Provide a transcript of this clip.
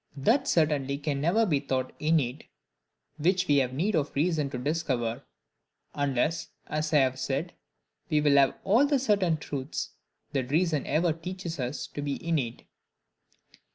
That certainly can never be thought innate which we have need of reason to discover; unless, as I have said, we will have all the certain truths that reason ever teaches us, to be innate.